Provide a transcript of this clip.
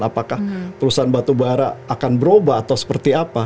apakah perusahaan batubara akan berubah atau seperti apa